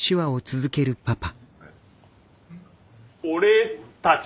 俺たち？